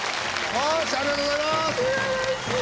よしありがとうございます。